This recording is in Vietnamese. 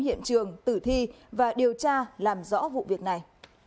hiện trường tử thi và điều tra làm rõ vụ việc này